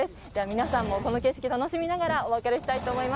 皆さんもこの景色、楽しみながらお別れしたいと思います。